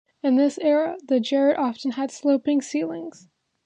In this era, the garret often had sloping ceilings.